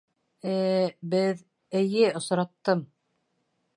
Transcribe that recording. — Э-э... беҙ... эйе, осраттым.